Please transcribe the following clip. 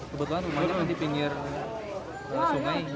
kebetulan rumahnya nanti pinggir sungai